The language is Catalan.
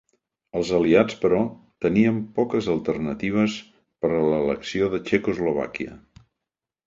Els aliats, però, tenien poques alternatives per a l'elecció de Txecoslovàquia.